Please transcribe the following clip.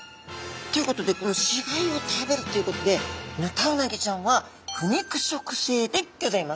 ということでこのしがいを食べるということでヌタウナギちゃんは腐肉食性でギョざいます。